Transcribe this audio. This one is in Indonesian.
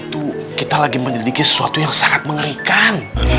itu kita sedang menyelidiki sesuatu yang sangat mengerikan